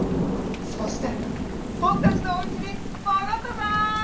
そしてぼくたちのおうちにもどったぞ！